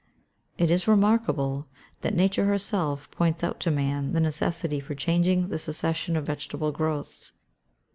It is remarkable that Nature herself points out to man the necessity for changing the succession of vegetable growths.